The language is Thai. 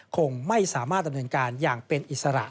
คงไม่สามารถดำเนินการอย่างเป็นอิสระ